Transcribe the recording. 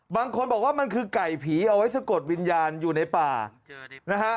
บางคนบอกว่ามันคือไก่ผีเอาไว้สะกดวิญญาณอยู่ในป่านะฮะ